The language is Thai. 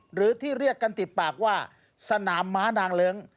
หรือที่เรียกกันติดปากว่าสนามม้านางเลิ้ง